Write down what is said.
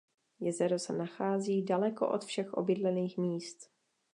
Jezero se nachází daleko od všech obydlených míst.